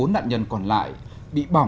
bốn nạn nhân còn lại bị bỏng